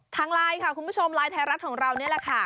ทางไลน์ค่ะคุณผู้ชมไลน์ไทยรัฐของเรานี่แหละค่ะ